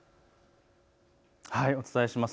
お伝えします。